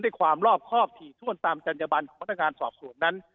ความรอบครอบถี่ถ้วนตามจัญญบันของพนักงานสอบสวนนั้น